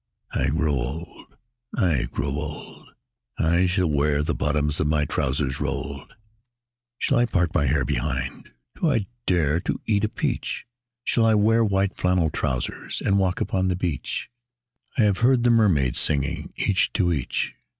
I grow old ... I grow old ... I shall wear the bottoms of my trousers rolled. Shall I part my hair behind? Do I dare to eat a peach? I shall wear white flannel trousers, and walk upon the beach. I have heard the mermaids singing, each to each.